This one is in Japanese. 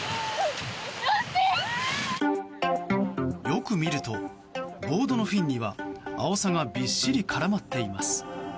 よく見るとボードのフィンにはアオサがびっしり絡まっています。